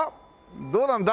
どうなんだ？